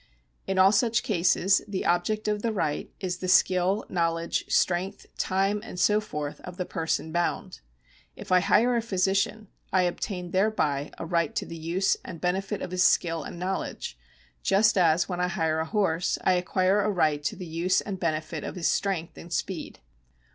In all such cases the object of the right is the skill, knowledge, strength, time, and so forth, of the person bound. If I hire a physician, I obtain thereby a right to the use and benefit of his skill and knowledge, just as, when I hire a horse, I acquire a right to the use and benefit of his strength and speed.